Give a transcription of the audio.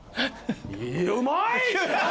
うまい！